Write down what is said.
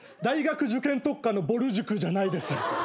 大学受験特化のぼる塾じゃないですよ。